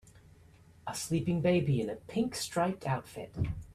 A sleeping baby in a pink striped outfit.